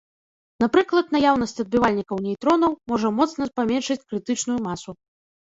Напрыклад, наяўнасць адбівальнікаў нейтронаў можа моцна паменшыць крытычную масу.